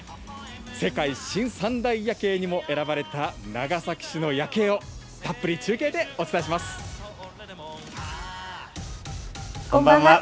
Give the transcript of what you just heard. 世界新三大夜景にも選ばれた長崎市の夜景を、たっぷり中継でお伝こんばんは。